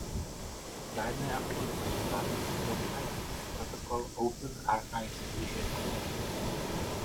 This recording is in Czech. Vzájemné aktualizace záznamů probíhají skrz protokol Open Archives Initiative.